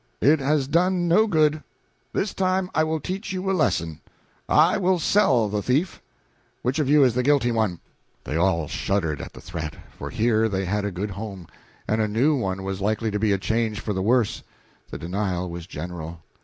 It has done no good. This time I will teach you a lesson. I will sell the thief. Which of you is the guilty one?" They all shuddered at the threat, for here they had a good home, and a new one was likely to be a change for the worse. The denial was general.